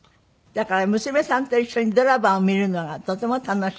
だから娘さんと一緒にドラマを見るのがとても楽しい。